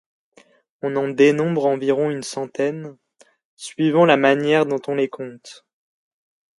On en dénombre environ une centaine, suivant la manière dont on les compte.